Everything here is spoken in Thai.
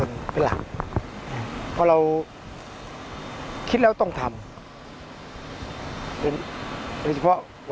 แล้วให้ทุกส่วนรักษณะตั้งอำนวดทหาร